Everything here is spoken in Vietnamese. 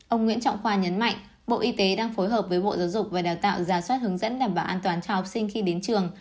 ông nguyễn trọng khoa nhấn mạnh bộ y tế đang phối hợp với bộ giáo dục và đào tạo ra soát hướng dẫn đảm bảo an toàn cho học sinh khi đến trường